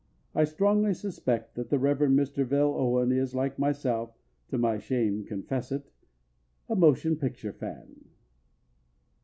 _" I strongly suspect that the Reverend Mr. Vale Owen is, like myself (to my shame confess it), a motion picture fan!